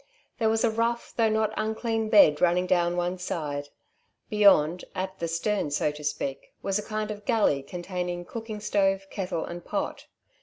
There was a rough though not unclean bed running down one side. Beyond, at the stern, so to speak, was a kind of galley containing cooking stove, kettle and pot.